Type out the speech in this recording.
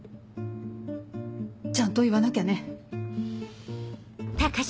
ちゃんと言わなきゃね。